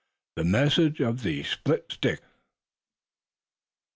THE MESSAGE OF THE SPLIT STICK.